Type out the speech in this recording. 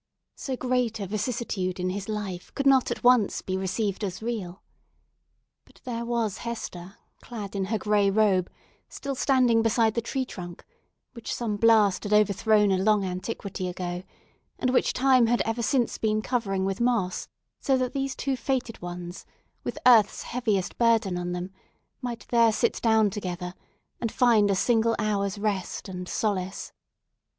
So great a vicissitude in his life could not at once be received as real. But there was Hester, clad in her gray robe, still standing beside the tree trunk, which some blast had overthrown a long antiquity ago, and which time had ever since been covering with moss, so that these two fated ones, with earth's heaviest burden on them, might there sit down together, and find a single hour's rest and solace.